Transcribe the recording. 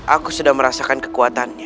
aku sudah merasakan kekuatannya